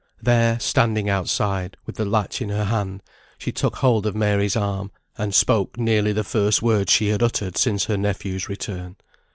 There, standing outside, with the latch in her hand, she took hold of Mary's arm, and spoke nearly the first words she had uttered since her nephew's return.